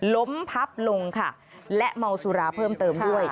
ล้มพับลงค่ะและเมาสุราเพิ่มเติมด้วย